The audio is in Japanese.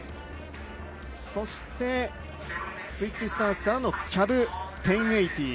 そしてスイッチスタンスからのキャブ１０８０。